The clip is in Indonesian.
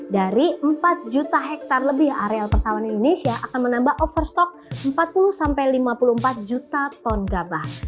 dari empat juta hektare lebih areal persawahan indonesia akan menambah overstock empat puluh sampai lima puluh empat juta ton gabah